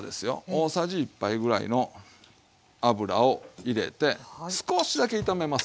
大さじ１杯ぐらいの油を入れて少しだけ炒めます。